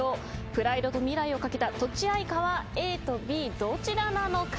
プライドと未来をかけたとちあいかはＡとＢどちらなのか。